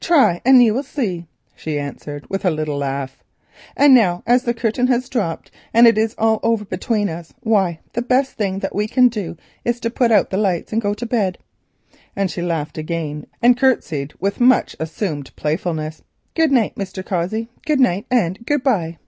"Try and you will see," she answered, with a little laugh. "And now, as the curtain has dropped, and it is all over between us, why the best thing that we can do is to put out the lights and go to bed," and she laughed again and courtesied with much assumed playfulness. "Good night, Mr. Cossey; good night, and good bye."